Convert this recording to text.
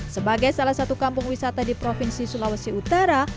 sebagai salah satu kampung wisata di provinsi sulawesi utara